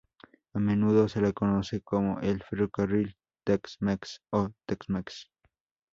A menudo se lo conoce como el ferrocarril Tex-Mex o TexMex.